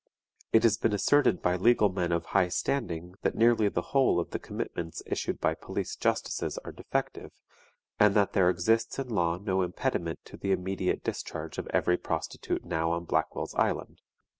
It has been asserted by legal men of high standing that nearly the whole of the commitments issued by police justices are defective, and that there exists in law no impediment to the immediate discharge of every prostitute now on Blackwell's Island.